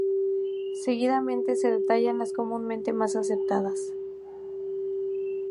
Seguidamente se detallan las comúnmente más aceptadas.